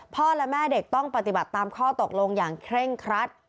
และแม่เด็กต้องปฏิบัติตามข้อตกลงอย่างเคร่งครัด